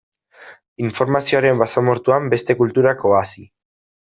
Informazioaren basamortuan, beste kulturak oasi.